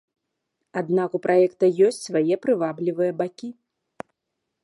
Аднак у праекта ёсць свае прываблівыя бакі.